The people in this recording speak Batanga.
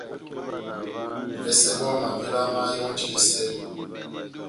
Vɛsɛ bɔ́ mavéla máyonjidɛsɛ bɔ́.